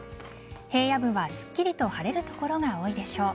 平野部はすっきりと晴れる所が多いでしょう。